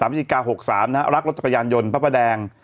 ๑๓วิจิกายนน๖๓รับรถจะกยานยนต์ป้าพาแดง